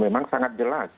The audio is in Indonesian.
memang sangat jelas